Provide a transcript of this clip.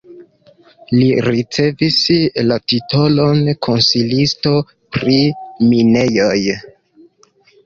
Li ricevis la titolon konsilisto pri minejoj.